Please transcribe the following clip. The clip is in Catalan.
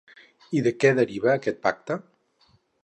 I de què deriva aquest pacte?